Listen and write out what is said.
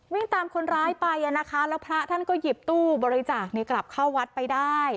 วิ่งตามคนร้ายไปนะคะแล้วพระท่านก็หยิบตู้บริจาคกลับเข้าวัดไปได้